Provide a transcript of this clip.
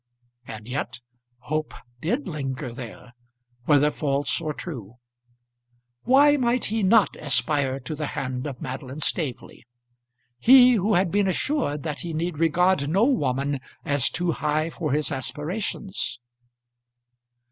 And yet hope did linger there whether false or true. Why might he not aspire to the hand of Madeline Staveley, he who had been assured that he need regard no woman as too high for his aspirations?